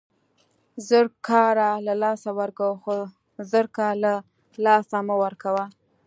زر کاره له لاسه ورکوه، خو زرکه له له لاسه مه ورکوه!